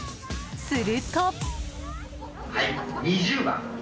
すると。